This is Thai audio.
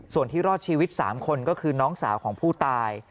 ส่วนที่รอดชีวิต๓คนก็คือน้องสาวของผู้ตาย